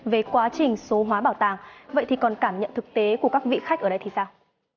về quá trình số hóa bảo tàng vậy thì còn cảm nhận thực tế của các vị khách ở đây thì sao